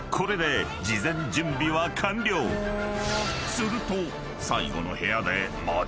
［すると］